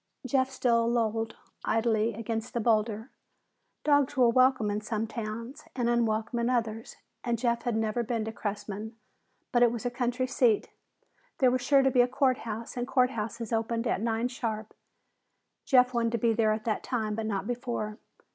Jeff still lolled idly against the boulder. Dogs were welcome in some towns and unwelcome in others, and Jeff had never been to Cressman. But it was a county seat, there was sure to be a court house, and court houses opened at nine sharp. Jeff wanted to be there at that time but not before.